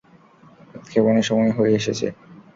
উৎক্ষেপণের সময় হয়ে এসেছে।